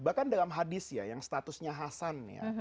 bahkan dalam hadis ya yang statusnya hasan ya